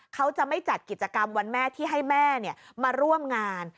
เขาจะไม่จัดกิจกรรมวันแม่ที่ให้แม่มาร่วมงาน